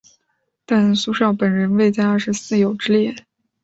但苏绍本人未在二十四友之列。